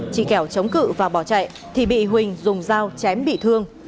chị kẻo chống cự và bỏ chạy thì bị huỳnh dùng dao chém bị thương